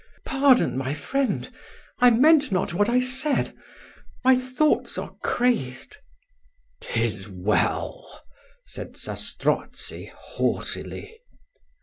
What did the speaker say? Pardon, my friend I meant not what I said my thoughts are crazed " "Tis well," said Zastrozzi, haughtily.